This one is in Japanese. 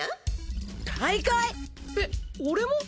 えっ俺も？